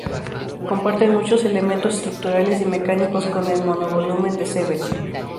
Comparten muchos elementos estructurales y mecánicos con el monovolumen de Sevel.